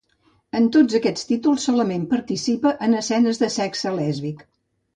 En tots aquests títols solament participa en escenes de sexe lèsbic.